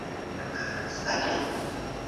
که دولت د دين خلاف وي بايد سرغړونه وسي.